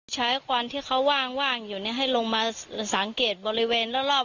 ควันที่เขาว่างอยู่ให้ลงมาสังเกตบริเวณรอบ